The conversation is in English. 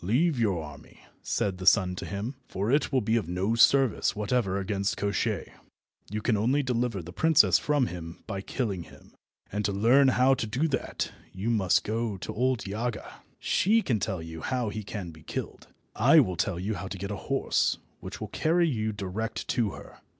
"Leave your army," said the sun to him, "for it will be of no service whatever against Koshchei. You can only deliver the princess from him by killing him, and to learn how you are to do that you must go to old Yaga. She can tell you how he can be killed. I will tell you how to get a horse which will carry you direct to her.